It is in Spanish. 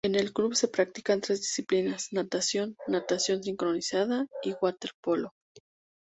En el club se practican tres disciplinas: natación, natación sincronizada y waterpolo.